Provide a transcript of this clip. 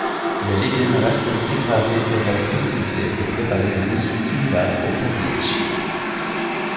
Les légumes racines écrasés peuvent être utilisés pour préparer des bouillies similaires aux porridges.